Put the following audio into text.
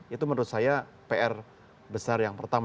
itu menurut saya pr besar yang pertama